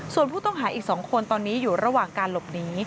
ส่วนผู้ต้องหาอีก๒คนตอนนี้อยู่ระหว่างการหลบหนี